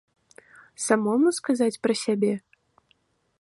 Самому сказаць пра сябе?